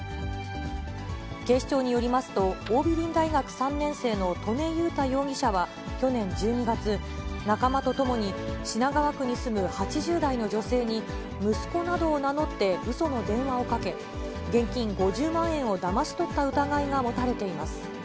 警視庁によりますと、桜美林大学３年生の刀禰雄太容疑者は去年１２月、仲間とともに品川区に住む８０代の女性に、息子などを名乗ってうその電話をかけ、現金５０万円をだまし取った疑いが持たれています。